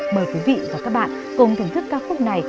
mời quý vị và các bạn cùng thưởng thức ca khúc này